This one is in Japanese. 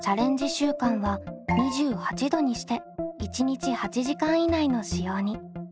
週間は２８℃にして１日８時間以内の使用に。